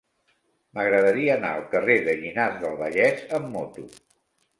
M'agradaria anar al carrer de Llinars del Vallès amb moto.